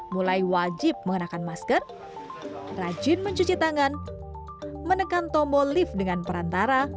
mulai wajib mengenakan masker rajin mencuci tangan menekan tombol lift dengan perantara